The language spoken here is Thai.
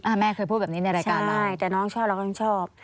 แม่เคยพูดแบบนี้ในรายการได้แต่น้องชอบเราก็ต้องชอบ